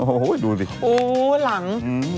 โอ้โหดูสิโอ้หลัง